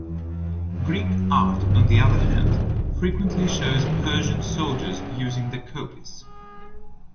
Greek art, on the other hand, frequently shows Persian soldiers using the kopis.